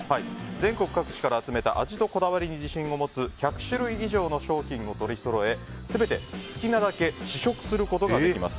全国各地から集めた味とこだわりに自信を持つ１００種類以上の商品を取りそろえ全て好きなだけ試食することができます。